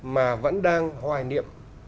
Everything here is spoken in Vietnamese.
mà vẫn đang hoài niệm